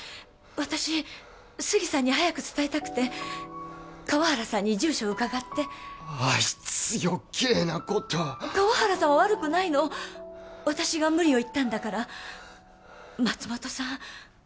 私杉さんに早く伝えたくて川原さんに住所伺ってあいつ余計なこと川原さんは悪くないの私が無理を言ったんだから松本さん